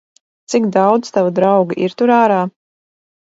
Cik daudz tavu draugu ir tur ārā?